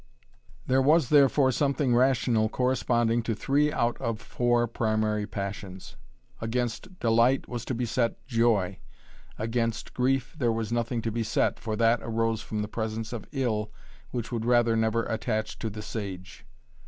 There was therefore something rational corresponding to three out of four primary passions against delight was to be set joy; against grief there was nothing to be set, for that arose from the presence of ill which would rather never attach to the sage.